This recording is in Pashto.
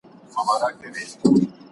¬ ښه کيسه بل ته کوه، ښه خواړه خپل ته ورکوه.